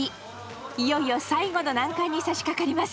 いよいよ最後の難関にさしかかります。